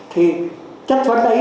thì chất phấn ấy